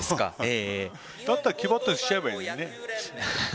だったら木バットにしちゃえばいいのにね。